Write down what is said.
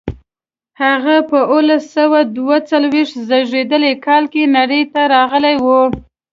هغه په اوولس سوه دوه څلویښت زېږدیز کال کې نړۍ ته راغلی و.